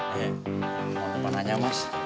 eh mau tanya panya mas